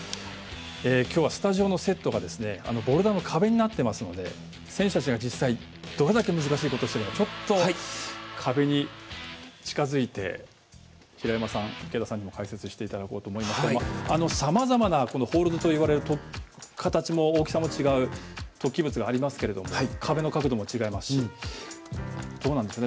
今日はスタジオのセットがボルダーの壁になってますので選手たちが実際どれだけ難しいことをしているかちょっと、壁に近づいて平山さん、池田さんにも解説していただこうと思いますがさまざまなホールドといわれる形も大きさも違う突起物がありますけれども壁の角度も違いますしどうなんでしょう